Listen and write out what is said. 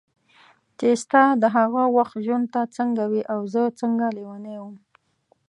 چې ستا د هغه وخت ژوند ته څنګه وې او زه څنګه لیونی وم.